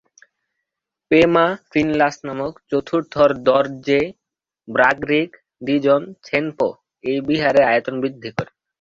পে-মা-'ফ্রিন-লাস নামক চতুর্থ র্দো-র্জে-ব্রাগ-রিগ-'দ্জিন-ছেন-পো এই বিহারের আয়তন বৃদ্ধি করেন।